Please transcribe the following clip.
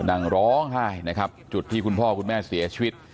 นั่งร้องไห้นะครับจุดที่คุณพ่อคุณแม่เสียชีวิต